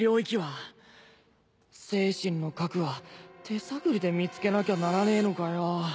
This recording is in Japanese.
精神の核は手探りで見つけなきゃならねえのかよ。